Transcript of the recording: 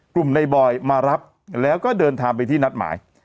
กลุ่มในบอยมารับแล้วก็เดินทางไปที่นัดหมาย